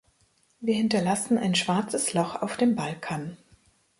Wir hinterlassen ein schwarzes Loch auf dem Balkan.